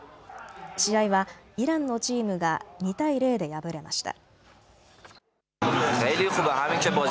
試合はイランのチームが２対０で敗れました。